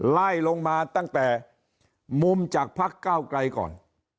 ไล่ลงมาตั้งแต่มุมจากพักเก้าไกลก่อน